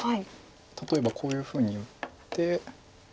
例えばこういうふうに打って。